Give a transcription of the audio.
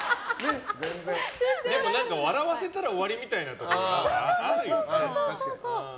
何か笑わせたら終わりみたいなところあるよね。